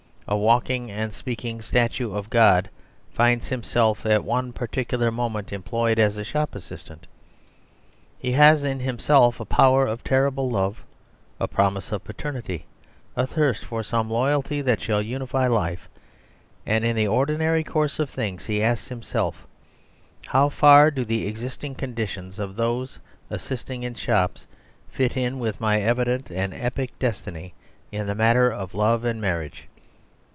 A walking and speaking statue of God finds himself at one particular moment employed as a shop assistant. He has in himself a power of terrible love, a promise of paternity, a thirst for some loyalty that shall unify life, and in the ordinary course of things he asks himself, "How far do the existing conditions of those assisting in shops fit in with my evident and epic destiny in the matter of love and marriage?"